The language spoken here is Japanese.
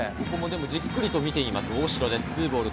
じっくりと見ていますよ、大城です。